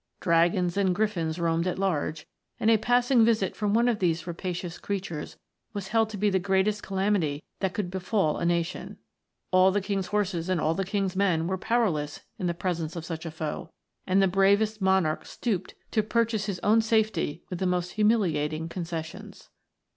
D ragons and Griffins roamed at large, and a passing visit from one of these rapacious creatures was held to be the greatest calamity that could befall a nation. All the King's horses and all the King's men were powerless in the presence of such a foe, and the bravest monarch stooped to purchase his 2 THE AGE OF MONSTERS. own safety with the most humiliating concessions.